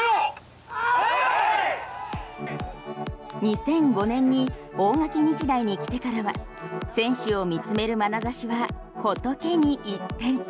２００５年に大垣日大に来てから選手を見つめる眼差しは仏に一転。